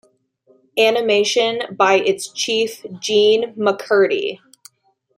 Animation by its chief Jean MacCurdy.